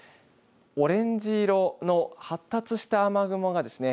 オレンジ色の発達した雨雲がですね